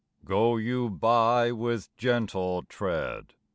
GO you by with gentle tread.